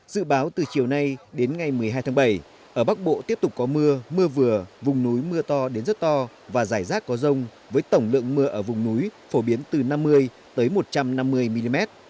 dự báo từ chiều nay đến ngày một mươi hai tháng bảy ở bắc bộ tiếp tục có mưa mưa vừa vùng núi mưa to đến rất to và rải rác có rông với tổng lượng mưa ở vùng núi phổ biến từ năm mươi một trăm năm mươi mm